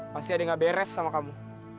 pasti ada yang gak beres sama kamu